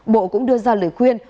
bộ cũng đưa ra lời khuyên